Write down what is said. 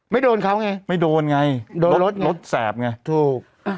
ไม่โดนเขาไงโดนรถแสบถูก